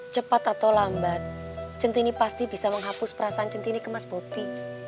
cepat atau lambat centini pasti bisa menghapus perasaan centini ke mas bobi